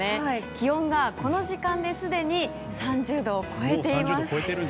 気温がこの時間ですでに３０度を超えています。